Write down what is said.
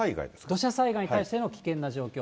土砂災害に対しての危険な状況。